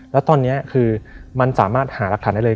แล้วตอนนี้คือมันสามารถหารักฐานได้เลย